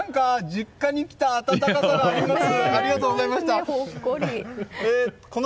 実家に来た温かさがあります。